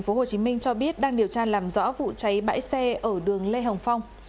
chiều nay công an quận một mươi tp hcm cho biết đang điều tra làm rõ vụ cháy bãi xe ở đường lê hồng phong